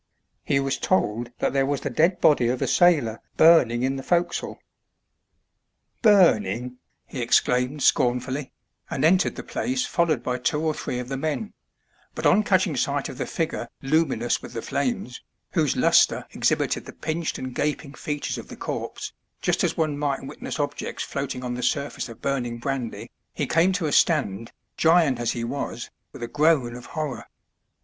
He was told that there was the dead body of a sailor burning in the forecastle. " Burning !" he exclaimed scornfully, and entered the place, followed by two or three of the men ; but on catching sight of the figure luminous with the flames, 19 286 A LUMINOUS SAILOR, whose lustre exhibited the pinched and gaping features of the corpse, just as one might witness objects floating on the surface of burning brandy, he came to a stand, giant as he was, with a groan of horror.